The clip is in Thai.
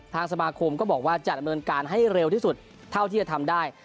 สมาคมก็บอกว่าจะดำเนินการให้เร็วที่สุดเท่าที่จะทำได้